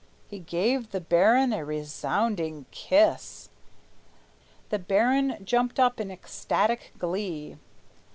He gave the baron a resounding kiss. The baron jumped up in ecstatic glee.